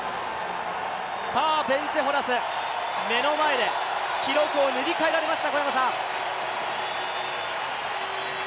さあ、ベンツェ・ホラス、目の前で記録を塗り替えられました。